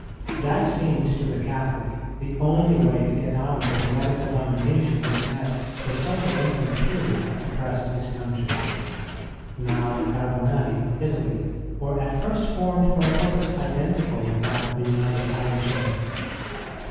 That seemed to the Catholic the only way to get out of the heretical domination which had for such a lengthened period oppressed his country. Now, the Carbonari of Italy were at first formed for a purpose identical with that of the United Irishmen.